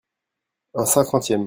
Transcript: Un cinquantième.